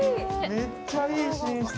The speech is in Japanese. ◆めっちゃいい寝室。